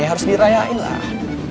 ya harus dirayain lah